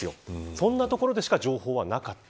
そんなところでしか情報はなかった。